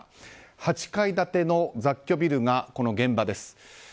８階建ての雑居ビルが現場です。